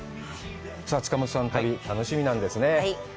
さあ塚本さんの旅、楽しみなんですね。